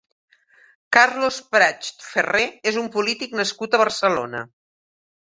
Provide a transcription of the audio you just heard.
Carlos Pracht Ferrer és un polític nascut a Barcelona.